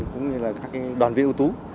cũng như là các đoàn viên ưu tú